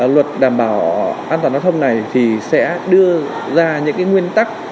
luật đảm bảo an toàn giao thông này thì sẽ đưa ra những nguyên tắc